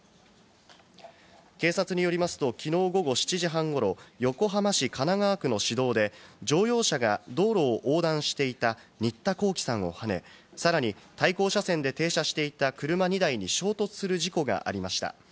警察によりますと、きのう午後７時半ごろ、横浜市神奈川区の市道で乗用車が道路を横断していた新田皓輝さんをはね、さらに対向車線で停車していた車２台に衝突する事故がありました。